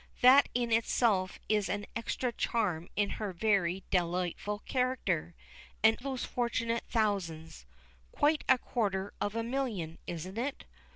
That in itself is an extra charm in her very delightful character. And those fortunate thousands! Quite a quarter of a million, isn't it?